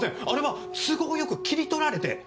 あれは都合よく切り取られて。